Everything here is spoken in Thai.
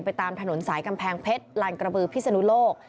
ไปตามธนศาสน์สายกำพังเพชรลานกระบือพิศโนโลก